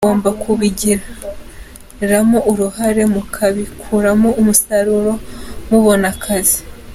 Mugomba kubigiramo uruhare, mukabikuramo umusaruro, mubona akazi.